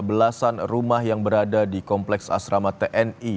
belasan rumah yang berada di kompleks asrama tni